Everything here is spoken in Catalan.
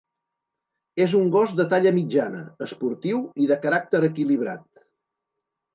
És un gos de talla mitjana, esportiu i de caràcter equilibrat.